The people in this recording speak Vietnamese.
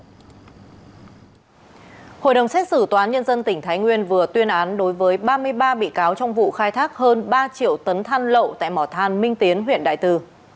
hội đồng xét xử tòa án nhân dân tỉnh thái nguyên vừa tuyên án đối với ba mươi ba bị cáo trong vụ khai thác hơn ba triệu tấn than lậu tại mỏ than minh tiến huyện đại từ